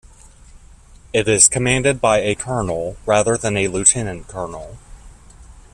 It is commanded by a colonel, rather than a lieutenant colonel.